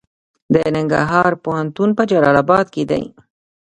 د ننګرهار پوهنتون په جلال اباد کې دی